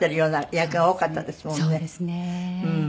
そうですね。